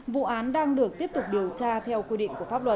vụ án đang được tiếp tục điều tra theo quy định của pháp luật